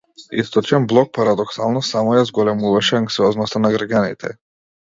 Источен блок, парадоксално, само ја зголемуваше анксиозноста на граѓаните.